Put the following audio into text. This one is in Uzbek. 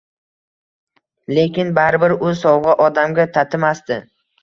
Lekin baribir u sovg‘a odamga tatimasdi